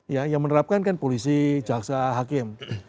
ya yang menerapkan kan polisi jaksa hakim